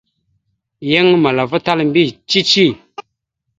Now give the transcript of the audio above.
Yan malava tal a mbiyez cici.